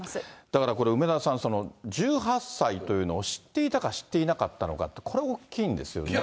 だからこれ、梅沢さん、１８歳というのを知っていたか知っていなかったのかって、これ、大きいんですよね。